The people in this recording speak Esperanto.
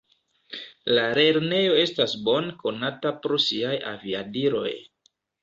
La lernejo estas bone konata pro siaj aviadiloj.